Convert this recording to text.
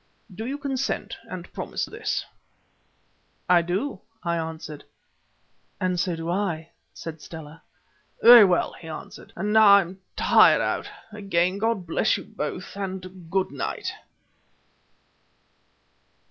Do you consent and promise this?" "I do," I answered. "And so do I," said Stella. "Very well," he answered; "and now I am tired out. Again God bless you both, and good night."